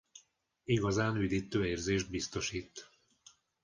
Igazán üdítő érzést biztosít.